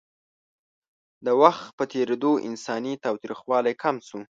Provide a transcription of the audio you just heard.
د وخت په تېرېدو انساني تاوتریخوالی کم شو.